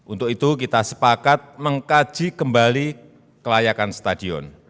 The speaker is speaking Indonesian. untuk itu kita sepakat mengkaji kembali kelayakan stadion